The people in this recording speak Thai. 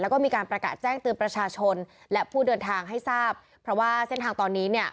แล้วก็มีการประกาศแจ้งเตือนประชาชนและผู้เดินทางให้ทราบเพราะว่าเส้นทางตอนนี้เนี่ย